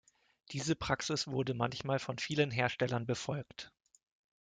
Diese Praxis wurde manchmal von vielen Herstellern befolgt.